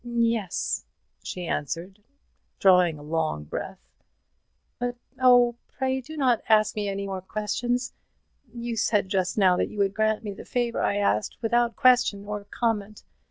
"Yes," she answered, drawing a long breath; "but, oh, pray do not ask me any more questions. You said just now that you would grant me the favour I asked without question or comment.